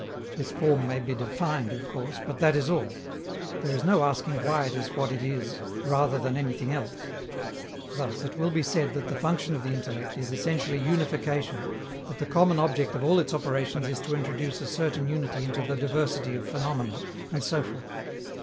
This form may be defined, of course, but that is all; there is no asking why it is what it is rather than anything else. Thus, it will be said that the function of the intellect is essentially unification, that the common object of all its operations is to introduce a certain unity into the diversity of phenomena, and so forth.